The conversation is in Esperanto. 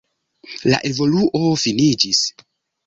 La evoluo finiĝis.